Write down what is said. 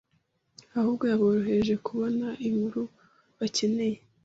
ehubwo yeborohereje kubone inkuru bekeneye.